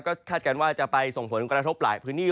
ก็คาดการณ์ว่าจะไปส่งผลกระทบหลายพื้นที่